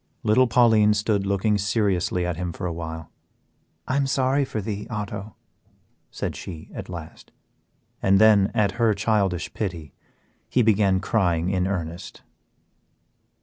Little Pauline stood looking seriously at him for a while. "I am sorry for thee, Otto," said she, at last. And then, at her childish pity, he began crying in earnest.